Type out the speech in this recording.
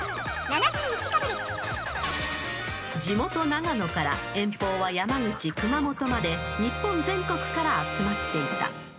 ［地元長野から遠方は山口熊本まで日本全国から集まっていた］